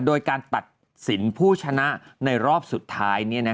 โดยการตัดสินผู้ชนะในรอบสุดท้าย